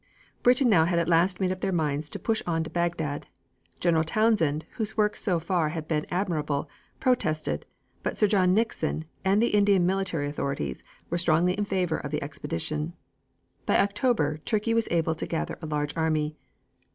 The British now had at last made up their minds to push on to Bagdad. General Townshend, whose work so far had been admirable, protested, but Sir John Nixon, and the Indian military authorities, were strongly in favor of the expedition. By October, Turkey was able to gather a large army.